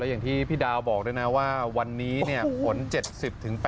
แล้วอย่างที่พี่ดาวบอกด้วยนะว่าวันนี้เนี่ยผล๗๐ถึง๘๐